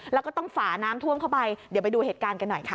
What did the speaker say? แล้วก็ต้องฝาน้ำท่วมเข้าไปเดี๋ยวไปดูเหตุการณ์กันหน่อยค่ะ